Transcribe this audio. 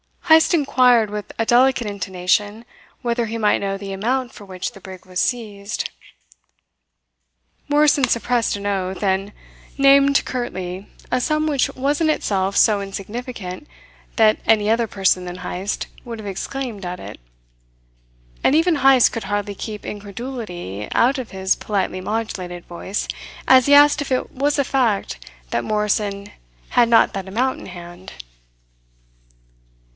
Heyst inquired with a delicate intonation whether he might know the amount for which the brig was seized. Morrison suppressed an oath, and named curtly a sum which was in itself so insignificant that any other person than Heyst would have exclaimed at it. And even Heyst could hardly keep incredulity out of his politely modulated voice as he asked if it was a fact that Morrison had not that amount in hand.